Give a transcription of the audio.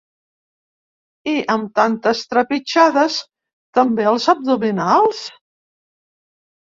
I, amb tantes trepitjades, també els abdominals?